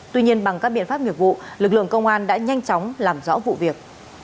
tuy nhiên bằng các biện pháp nghiệp vụ lực lượng công an đã nhanh chóng làm rõ vụ việc